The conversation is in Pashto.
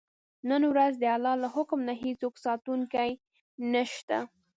نن ورځ د الله له حکم نه هېڅوک ساتونکی نه شته.